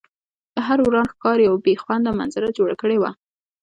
بهر وران ښار یوه بې خونده منظره جوړه کړې وه